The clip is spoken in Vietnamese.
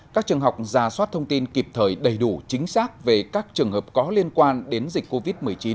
các trường học ra soát thông tin kịp thời đầy đủ chính xác về các trường hợp có liên quan đến dịch covid một mươi chín